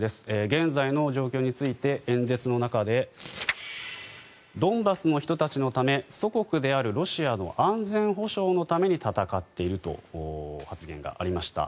現在の状況について演説の中でドンバスの人たちのため祖国であるロシアの安全保障のために戦っていると発言がありました。